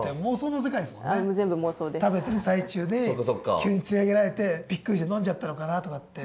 食べてる最中で急に釣り上げられてびっくりして飲んじゃったのかな？とかって。